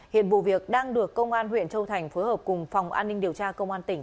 hiện vụ việc đang được công an huyện châu thành phối hợp cùng phòng an ninh điều tra công an tỉnh